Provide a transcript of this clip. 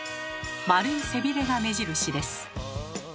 丸い背びれが目印です。